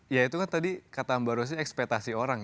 ya itu kan tadi kata mbak rosin ekspetasi orang